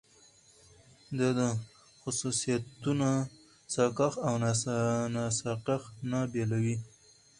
دا خصوصيتونه ساکښ له ناساکښ نه بېلوي.